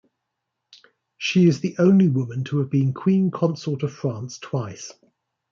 She is the only woman to have been queen consort of France twice.